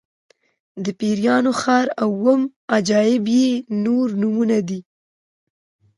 د پیریانو ښار او اووم عجایب یې نور نومونه دي.